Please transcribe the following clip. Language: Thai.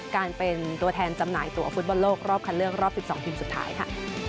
การเป็นตัวแทนจำหน่ายตัวฟุตบอลโลกรอบคันเลือกรอบ๑๒ทีมสุดท้ายค่ะ